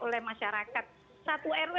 oleh masyarakat satu rw